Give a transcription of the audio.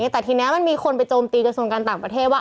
แต่ทีนี้มันมีคนไปโจมตีกระทรวงการต่างประเทศว่า